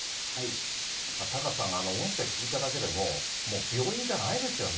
タカさん、音声聞いただけでも、もう病院じゃないですよね。